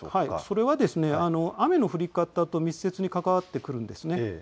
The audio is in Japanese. それは雨の降り方と密接に関わってくるんです。